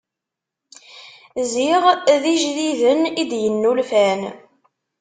Ziɣ d ijdiden i d-yennulfan.